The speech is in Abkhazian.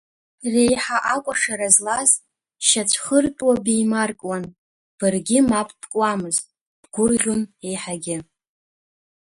Реиҳа акәашара злаз, шьацәхыртәуа беимаркуан, баргьы мап бкуамызт, бгәырӷьон еиҳагьы!